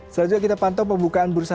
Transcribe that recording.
selanjutnya kita pantau pembukaan bursa